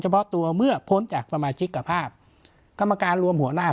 เพราะตัวเมื่อพ้นจากสมาชิกภาพกรรมการรวมหัวหน้า